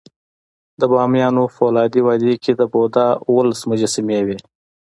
د بامیانو فولادي وادي کې د بودا اوولس مجسمې وې